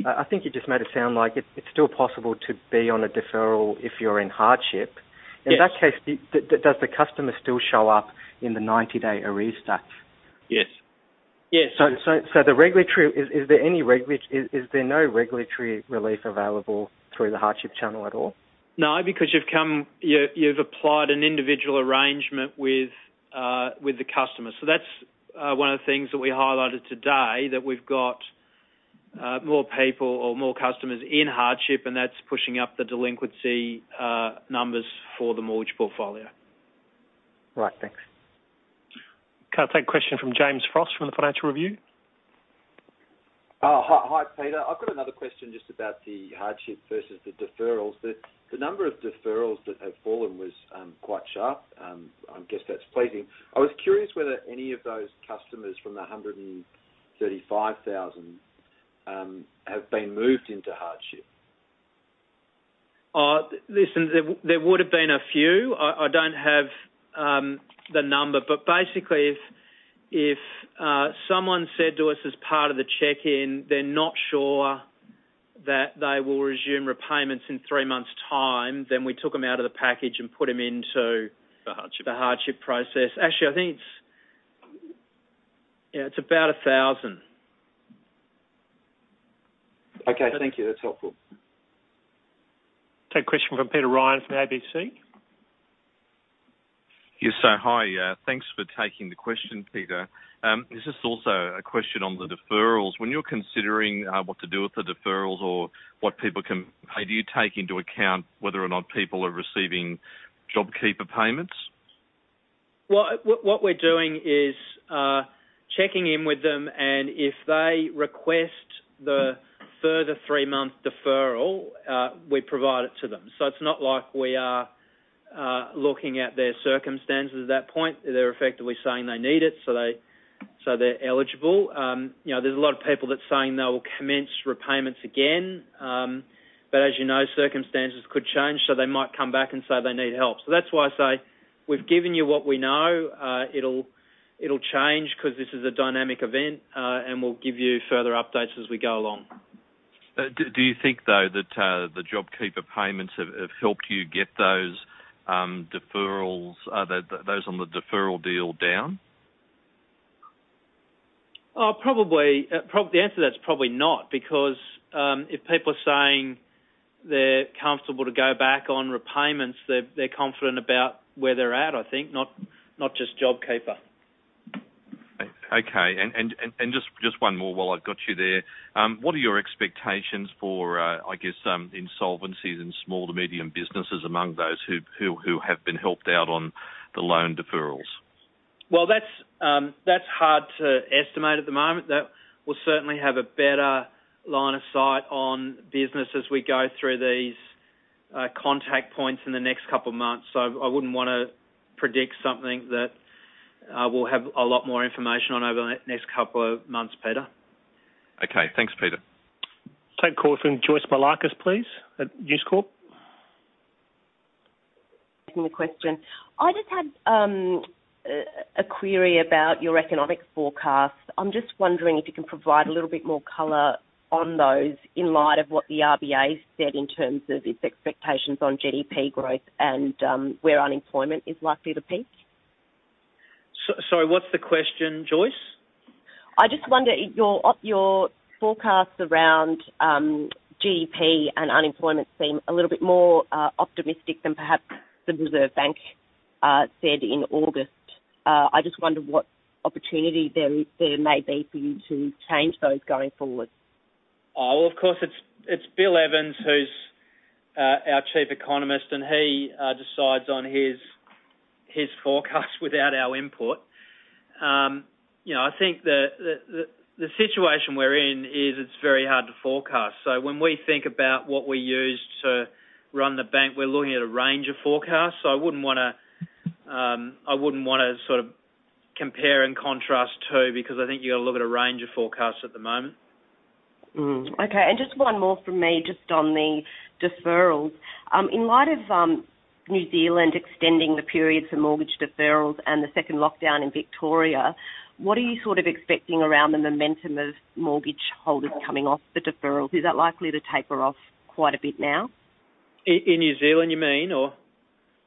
I think you just made it sound like it's still possible to be on a deferral if you're in hardship. In that case, does the customer still show up in the 90+ day arrears? Yes. Yes. So, is there no regulatory relief available through the hardship channel at all? No, because you've applied an individual arrangement with the customer. So, that's one of the things that we highlighted today, that we've got more people or more customers in hardship, and that's pushing up the delinquency numbers for the mortgage portfolio. Right. Thanks. Take a question from James Frost from the Financial Review. Hi, Peter. I've got another question just about the hardship versus the deferrals. The number of deferrals that have fallen was quite sharp. I guess that's pleasing. I was curious whether any of those customers from the 135,000 have been moved into hardship. Listen, there would have been a few. I don't have the number, but basically, if someone said to us as part of the check-in, they're not sure that they will resume repayments in three months' time, then we took them out of the package and put them into the hardship process. Actually, I think it's about 1,000. Okay. Thank you. That's helpful. Take a question from Peter Ryan from ABC. Yes. So, hi. Thanks for taking the question, Peter. This is also a question on the deferrals. When you're considering what to do with the deferrals or what people can pay, do you take into account whether or not people are receiving JobKeeper payments? What we're doing is checking in with them, and if they request the further three-month deferral, we provide it to them. It's not like we are looking at their circumstances at that point. They're effectively saying they need it, so they're eligible. There's a lot of people that are saying they will commence repayments again, but as you know, circumstances could change, so they might come back and say they need help. That's why I say we've given you what we know. It'll change because this is a dynamic event, and we'll give you further updates as we go along. Do you think, though, that the JobKeeper payments have helped you get those deferrals, those on the deferral deal, down? Probably. The answer to that's probably not because if people are saying they're comfortable to go back on repayments, they're confident about where they're at, I think, not just JobKeeper. Okay. And just one more while I've got you there. What are your expectations for, I guess, insolvencies in small to medium businesses among those who have been helped out on the loan deferrals? That's hard to estimate at the moment. We'll certainly have a better line of sight on business as we go through these contact points in the next couple of months. So, I wouldn't want to predict something that we'll have a lot more information on over the next couple of months, Peter. Okay. Thanks, Peter. Take a call from Joyce Moullakis, please, at News Corp. Taking the question. I just had a query about your economic forecast. I'm just wondering if you can provide a little bit more color on those in light of what the RBA said in terms of its expectations on GDP growth and where unemployment is likely to peak? So, what's the question, Joyce? I just wonder if your forecasts around GDP and unemployment seem a little bit more optimistic than perhaps the Reserve Bank said in August. I just wonder what opportunity there may be for you to change those going forward. Of course, it's Bill Evans who's our Chief Economist, and he decides on his forecast without our input. I think the situation we're in is it's very hard to forecast. So, when we think about what we use to run the bank, we're looking at a range of forecasts. So, I wouldn't want to sort of compare and contrast too because I think you've got to look at a range of forecasts at the moment. Okay. And just one more from me just on the deferrals. In light of New Zealand extending the period for mortgage deferrals and the second lockdown in Victoria, what are you sort of expecting around the momentum of mortgage holders coming off the deferrals? Is that likely to taper off quite a bit now? In New Zealand, you mean, or?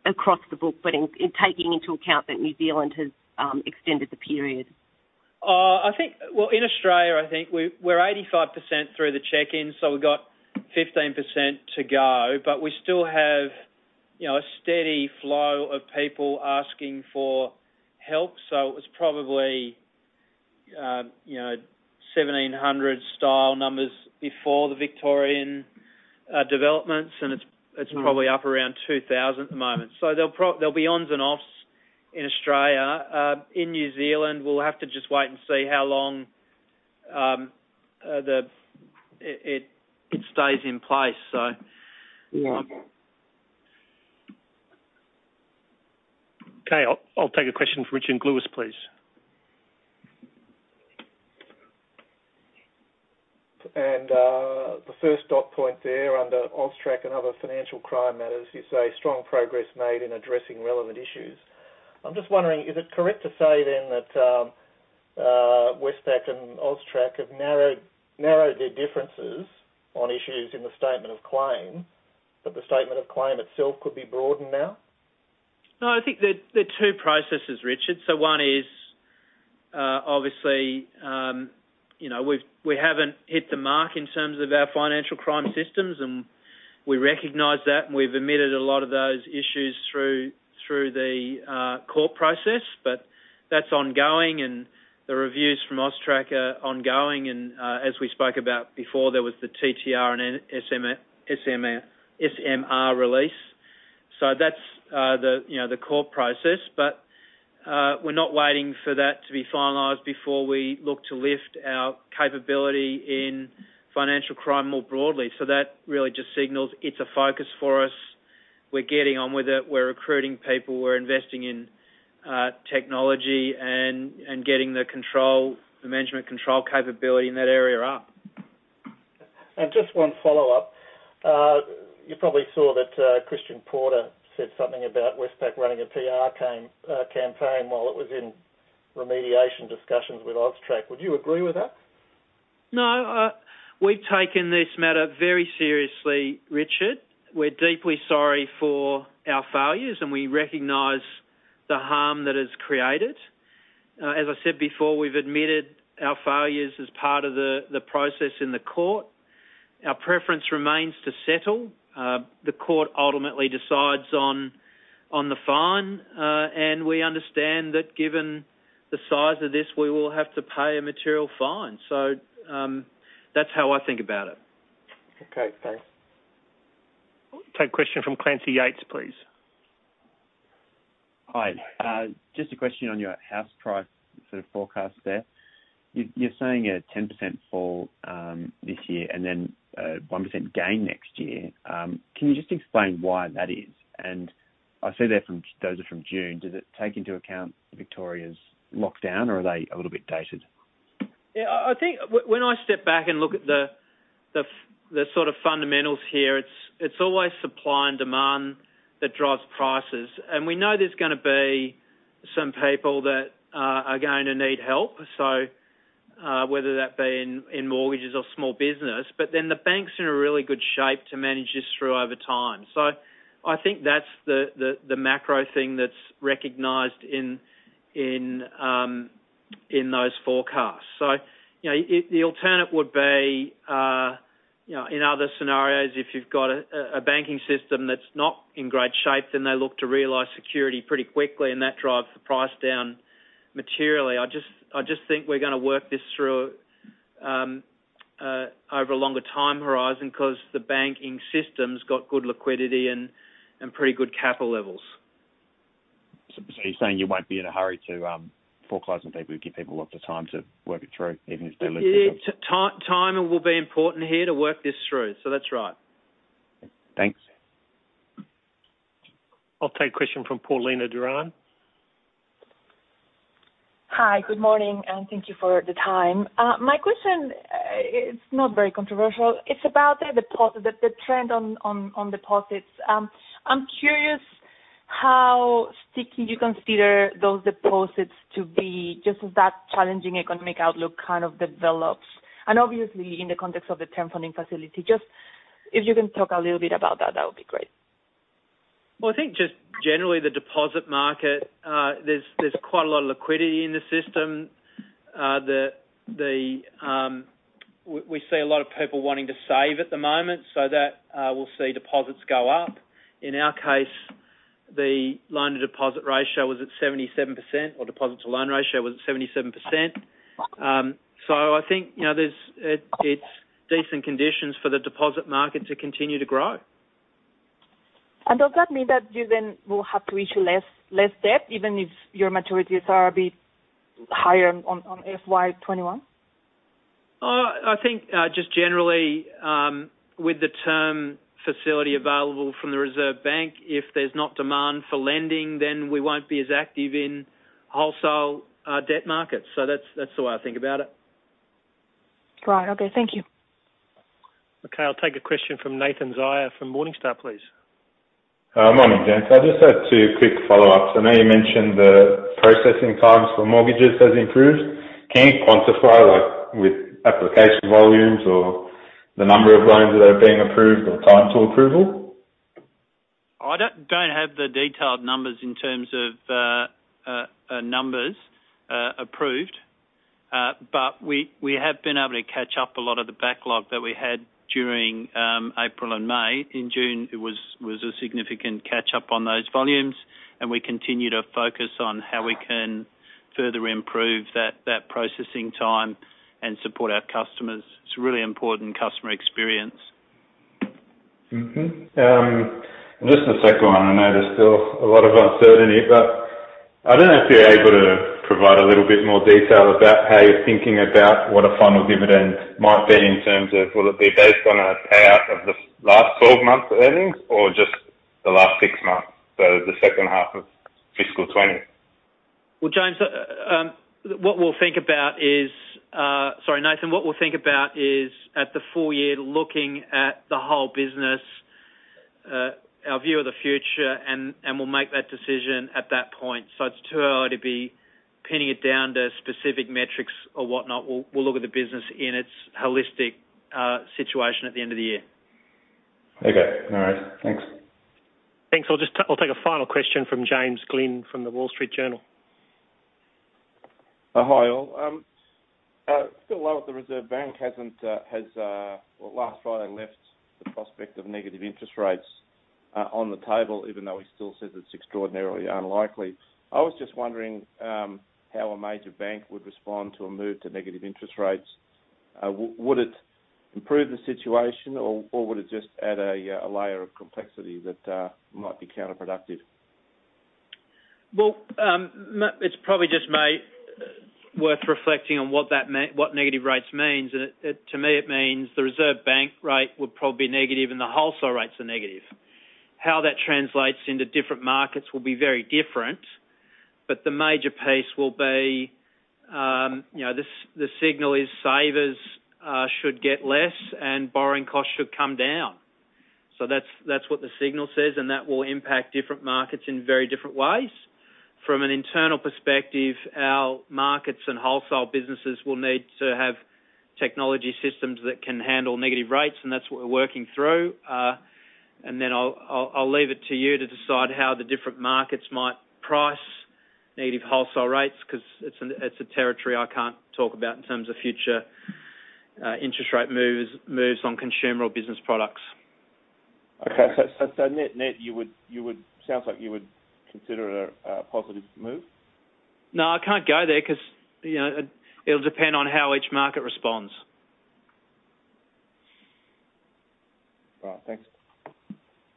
Across the book, but taking into account that New Zealand has extended the period. In Australia, I think we're 85% through the check-in, so we've got 15% to go, but we still have a steady flow of people asking for help. It was probably 1,700-style numbers before the Victorian developments, and it's probably up around 2,000 at the moment. There'll be ons and offs in Australia. In New Zealand, we'll have to just wait and see how long it stays in place, so. Okay. I'll take a question from Richard Gluyas, please. And the first dot point there under AUSTRAC and other financial crime matters, you say strong progress made in addressing relevant issues. I'm just wondering, is it correct to say then that Westpac and AUSTRAC have narrowed their differences on issues in the statement of claim, but the statement of claim itself could be broadened now? No, I think they're two processes, Richard. So, one is obviously we haven't hit the mark in terms of our financial crime systems, and we recognize that, and we've admitted a lot of those issues through the court process, but that's ongoing, and the reviews from AUSTRAC are ongoing. And as we spoke about before, there was the TTR and SMR release. So, that's the court process, but we're not waiting for that to be finalized before we look to lift our capability in financial crime more broadly. So, that really just signals it's a focus for us. We're getting on with it. We're recruiting people. We're investing in technology and getting the management control capability in that area up. Just one follow-up. You probably saw that Christian Porter said something about Westpac running a PR campaign while it was in remediation discussions with AUSTRAC. Would you agree with that? No, we've taken this matter very seriously, Richard. We're deeply sorry for our failures, and we recognize the harm that has created. As I said before, we've admitted our failures as part of the process in the court. Our preference remains to settle. The court ultimately decides on the fine, and we understand that given the size of this, we will have to pay a material fine. So, that's how I think about it. Okay. Thanks. Take a question from Clancy Yeates, please. Hi. Just a question on your house price sort of forecast there. You're saying a 10% fall this year and then a 1% gain next year. Can you just explain why that is, and I see those are from June. Does it take into account Victoria's lockdown, or are they a little bit dated? Yeah. I think when I step back and look at the sort of fundamentals here, it's always supply and demand that drives prices. And we know there's going to be some people that are going to need help, whether that be in mortgages or small business, but then the banks are in a really good shape to manage this through over time. So, I think that's the macro thing that's recognized in those forecasts. So, the alternate would be in other scenarios, if you've got a banking system that's not in great shape, then they look to realize security pretty quickly, and that drives the price down materially. I just think we're going to work this through over a longer time horizon because the banking system's got good liquidity and pretty good capital levels. So, you're saying you won't be in a hurry to forecast on people, give people lots of time to work it through, even if they're looking for it? Yeah. Timing will be important here to work this through. So, that's right. Thanks. I'll take a question from Paulina Duran. Hi. Good morning, and thank you for the time. My question, it's not very controversial. It's about the trend on deposits. I'm curious how sticky you consider those deposits to be just as that challenging economic outlook kind of develops, and obviously in the context of the Term Funding Facility. Just if you can talk a little bit about that, that would be great. I think just generally the deposit market, there's quite a lot of liquidity in the system. We see a lot of people wanting to save at the moment, so that will see deposits go up. In our case, the loan-to-deposit ratio was at 77%, or deposit-to-loan ratio was at 77%. So, I think it's decent conditions for the deposit market to continue to grow. Does that mean that you then will have to issue less debt, even if your maturities are a bit higher on FY21? I think just generally with the term facility available from the Reserve Bank, if there's not demand for lending, then we won't be as active in wholesale debt markets. So, that's the way I think about it. Right. Okay. Thank you. Okay. I'll take a question from Nathan Zaia from Morningstar, please. Morning, James. I just had two quick follow-ups. I know you mentioned the processing times for mortgages has improved. Can you quantify with application volumes or the number of loans that are being approved or time to approval? I don't have the detailed numbers in terms of numbers approved, but we have been able to catch up a lot of the backlog that we had during April and May. In June, it was a significant catch-up on those volumes, and we continue to focus on how we can further improve that processing time and support our customers. It's really important customer experience. Okay. Just a second one. I know there's still a lot of uncertainty, but I don't know if you're able to provide a little bit more detail about how you're thinking about what a final dividend might be in terms of will it be based on a payout of the last 12 months' earnings or just the last six months, so the second half of fiscal 2020? James, what we'll think about is sorry, Nathan, what we'll think about is at the full year, looking at the whole business, our view of the future, and we'll make that decision at that point. It's too early to be pinning it down to specific metrics or whatnot. We'll look at the business in its holistic situation at the end of the year. Okay. All right. Thanks. Thanks. I'll take a final question from James Glynn from The Wall Street Journal. Hi, all. Phil Lowe at the Reserve Bank hasn't, well, last Friday left the prospect of negative interest rates on the table, even though he still says it's extraordinarily unlikely. I was just wondering how a major bank would respond to a move to negative interest rates. Would it improve the situation, or would it just add a layer of complexity that might be counterproductive? It's probably just worth reflecting on what negative rates means. To me, it means the Reserve Bank rate would probably be negative and the wholesale rates are negative. How that translates into different markets will be very different, but the major piece will be the signal is savers should get less and borrowing costs should come down, that's what the signal says, and that will impact different markets in very different ways. From an internal perspective, our markets and wholesale businesses will need to have technology systems that can handle negative rates, and that's what we're working through, and then I'll leave it to you to decide how the different markets might price negative wholesale rates because it's a territory I can't talk about in terms of future interest rate moves on consumer or business products. Okay. So, sounds like you would consider it a positive move? No, I can't go there because it'll depend on how each market responds. All right. Thanks.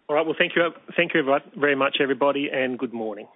All right. Well, thank you very much, everybody, and good morning.